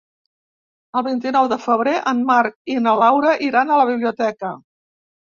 El vint-i-nou de febrer en Marc i na Laura iran a la biblioteca.